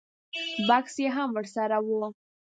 بکس یې هم ور سره و.